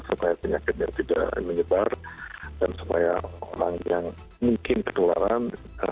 supaya penyakitnya tidak menyebar dan supaya orang yang mungkin ketularan